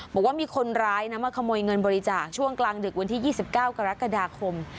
บอกว่ามีคนร้ายนะมาขโมยเงินบริจาคช่วงกลางดึกวันที่๒๙กรกฎาคม